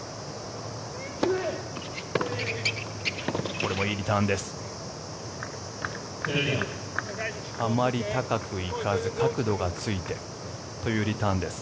これもいいリターンです。